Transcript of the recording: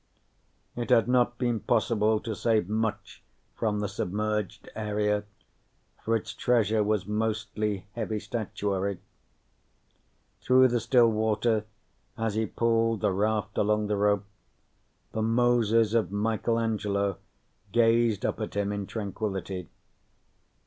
It had not been possible to save much from the submerged area, for its treasure was mostly heavy statuary. Through the still water, as he pulled the raft along the rope, the Moses of Michelangelo gazed up at him in tranquility.